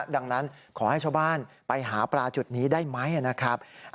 ดังนั้นขอให้ชาวบ้านไปหาปลาจุดนี้ได้ไหมนะครับ